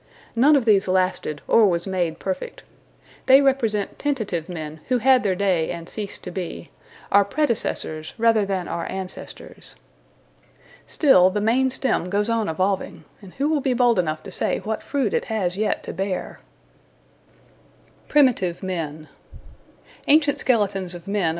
None of these lasted or was made perfect. They represent tentative men who had their day and ceased to be, our predecessors rather than our ancestors. Still, the main stem goes on evolving, and who will be bold enough to say what fruit it has yet to bear! [Illustration: _After a model by J. H. McGregor.